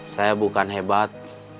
saya bukan hebat